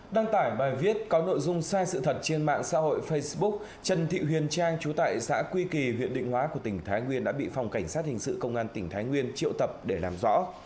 đăng tải bài viết có nội dung sai sự thật trên mạng xã hội facebook trần thị huyền trang trú tại xã quy kỳ huyện định hóa của tỉnh thái nguyên đã bị phòng cảnh sát hình sự công an tỉnh thái nguyên triệu tập để làm rõ